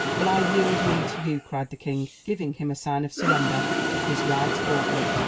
"Well, I yield me to you," cried the king, giving him in sign of surrender, his right gauntlet.